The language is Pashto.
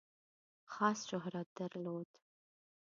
خاص شهرت درلود.